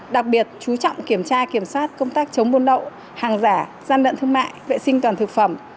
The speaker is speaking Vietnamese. đặc biệt chú trọng kiểm tra kiểm soát công tác chống buôn lậu hàng giả gian lận thương mại vệ sinh toàn thực phẩm